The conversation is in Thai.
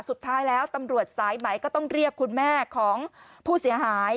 สุดท้ายแล้วตำรวจสายไหมก็ต้องเรียกคุณแม่ของผู้เสียหาย